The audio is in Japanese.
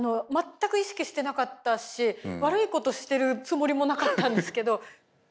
全く意識してなかったし悪いことしてるつもりもなかったんですけど。